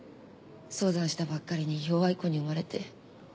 早産したばっかりに弱い子に生まれて。